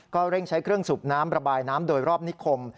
เร่งใช้เครื่องสูบน้ำระบายน้ำโดยรอบนิคม